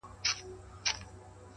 پوه انسان له هر حالت زده کوي؛